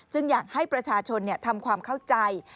อยากให้ประชาชนทำความเข้าใจ